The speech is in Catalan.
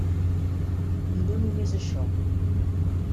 I no només això.